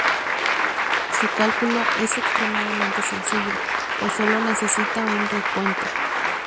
Su cálculo es extremadamente sencillo, pues solo necesita un recuento.